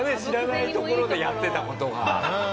知らないところでやってた事が。